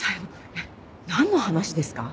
えっ何の話ですか？